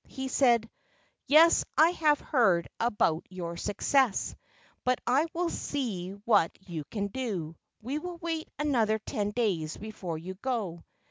He said: "Yes, I have heard about your success, but I will see what you can do. We will wait another ten days before you go."